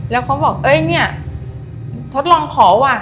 แล้วเขาบอกเอ้ยเนี่ยทดลองขอว่ะ